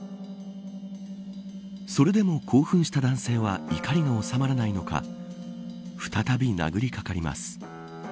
それでも興奮した男性は怒りが収まらないのか再び殴りかかります。